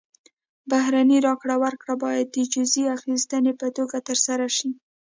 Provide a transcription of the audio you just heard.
بهرنۍ راکړه ورکړه باید د جزیې اخیستنې په توګه ترسره شي.